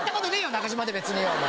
中島で別によお前。